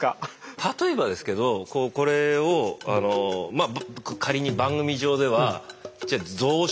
例えばですけどこれを仮に番組上ではじゃあ増殖